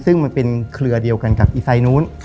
ซึ่งมันเป็นเครือเดียวกันกับอีไซนู้น